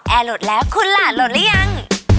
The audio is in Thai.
แอร์โหลดแล้วคุณล่ะโหลดแล้วยัง